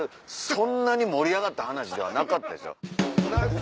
そんなに盛り上がった話ではなかったです。